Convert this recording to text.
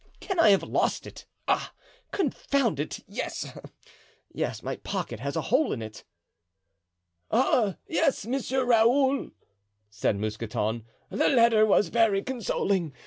Can I have lost it? Ah! confound it! yes, my pocket has a hole in it." "Oh, yes, Monsieur Raoul!" said Mousqueton, "the letter was very consoling.